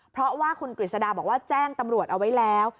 เพราะว่าคุณกฤษฎาบอกว่าแจ้งตำรวจเอาไว้แล้ว